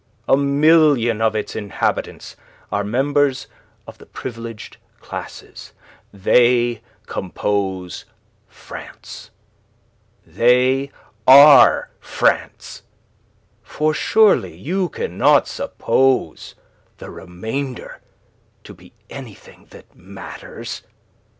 A million of its inhabitants are members of the privileged classes. They compose France. They are France. For surely you cannot suppose the remainder to be anything that matters.